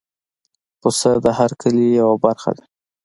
پسه د هر کلي یو برخه ده.